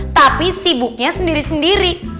tapi sibuknya sendiri sendiri